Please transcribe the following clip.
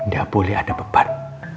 gak boleh ada beban